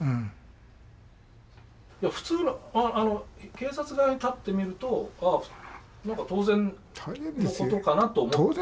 いや普通警察側に立ってみると何か当然のことかなと思うんです。